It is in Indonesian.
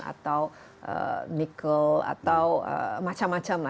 atau nikel atau macam macam lah